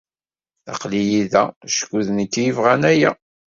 Aql-iyi da acku d nekk ay yebɣan aya.